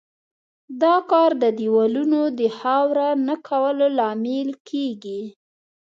دا کار د دېوالونو د خاوره نه کولو لامل کیږي.